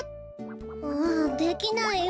うんできないよ。